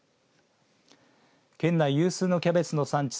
県内有数のキャベツの産地